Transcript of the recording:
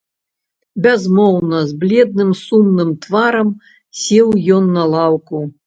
Бязмоўна, з бледным сумным тварам сеў ён на лаўку.